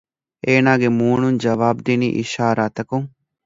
އޭނާގެ މޫނުން ޖަވާބު ދިނީ އިޝާރާތަކުން